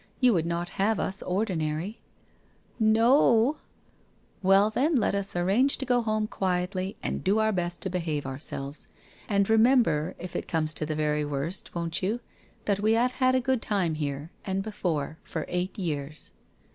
You would not have us ordinary ?' 1 No o !'* Well then, let us arrange to go home quietly, and do our best to behave ourselves. And remember, if it comes to the very worst, won't you, that we have had a good time here, and before, for eight years.